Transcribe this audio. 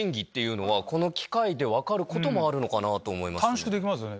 短縮できますよね。